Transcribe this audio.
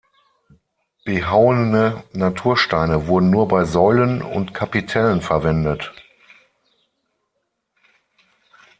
Behauene Natursteine wurden nur bei Säulen und Kapitellen verwendet.